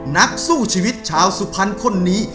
นักสู้ชีวิตชาวสุพรรณคนนี้